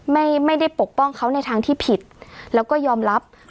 ไม่ได้ปกป้องเขาในทางที่ผิดแล้วก็ยอมรับ